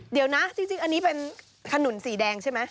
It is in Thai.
เดี๋ยวนะจริงอันนี้เป็นขนุนสีแดงใช่ไหม